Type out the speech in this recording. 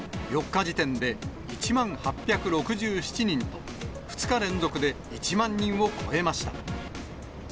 ４日時点で１万８６７人と、２日連続で１万人を超えました。